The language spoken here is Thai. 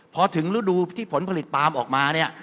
พอถึงฤดูที่ผลผลิตปาล์มออกมาเนี่ย